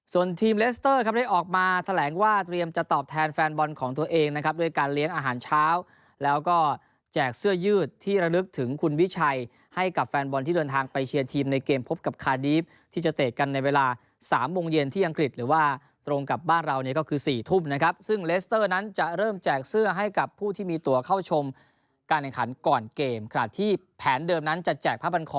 ส่วนทีมเลสเตอร์ครับได้ออกมาแถลงว่าเตรียมจะตอบแทนแฟนบอลของตัวเองนะครับด้วยการเลี้ยงอาหารเช้าแล้วก็แจกเสื้อยืดที่ระลึกถึงคุณวิชัยให้กับแฟนบอลที่เดินทางไปเชียร์ทีมในเกมพบกับคาร์ดีฟที่จะเตะกันในเวลา๓โมงเย็นที่อังกฤษหรือว่าตรงกับบ้านเราเนี่ยก็คือ๔ทุ่มนะครับ